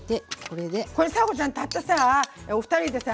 これ佐和子ちゃんたったさぁおふたりでさ